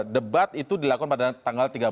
debat itu dilakukan pada tanggal tiga belas